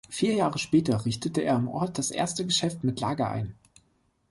Vier Jahre später richtete er im Ort das erste Geschäft mit Lager ein.